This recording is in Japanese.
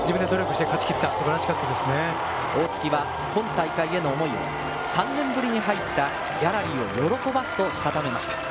大槻は思いを、３年ぶりに入ったギャラリーを喜ばすとしたためました。